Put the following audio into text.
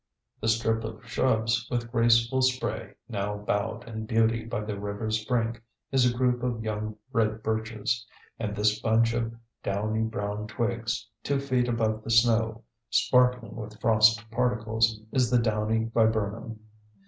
The strip of shrubs with graceful spray, now bowed in beauty by the river's brink, is a group of young red birches, and this bunch of downy brown twigs, two feet above the snow, sparkling with frost particles, is the downy viburnum.